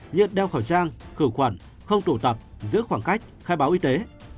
như đeo khẩu trang khử khuẩn không tụ tập giữ khoảng cách khai báo y tế